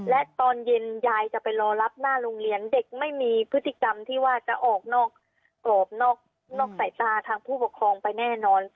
และตอนเย็นยายจะไปรอรับหน้าโรงเรียนเด็กไม่มีพฤติกรรมที่ว่าจะออกนอกกรอบนอกสายตาทางผู้ปกครองไปแน่นอน